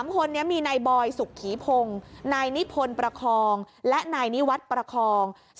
๓คนนี้มีนายบอยสุขีพงศ์นายนิพนธ์ประคองและนายนิวัตรประคอง